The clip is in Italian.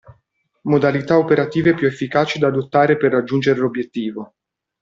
Modalità operative più efficaci da adottare per raggiungere l'obiettivo.